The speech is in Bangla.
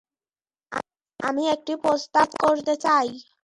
আমি একটি প্রস্তাব করতে চাই।